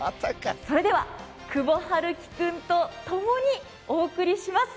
それでは、久保陽貴君とともにお送りします